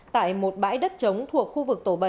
tại một bãi đất trống thuộc khu vực tổ bảy